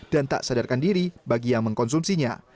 dan tak sadarkan diri bagi yang mengkonsumsinya